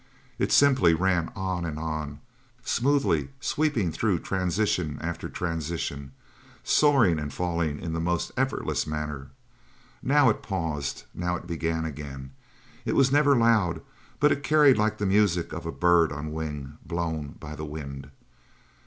It simply ran on and on, smoothly, sweeping through transition after transition, soaring and falling in the most effortless manner. Now it paused, now it began again. It was never loud, but it carried like the music of a bird on wing, blown by the wind.